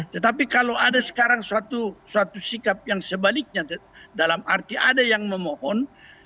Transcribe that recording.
tetapi kalau ada sekarang suatu sikap yang sebaliknya dalam arti ada yang memohon